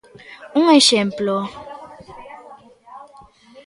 Un exemplo?